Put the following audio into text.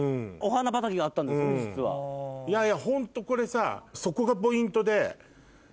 ホントこれさそこがポイントで。